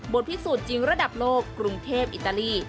พิสูจน์จริงระดับโลกกรุงเทพอิตาลี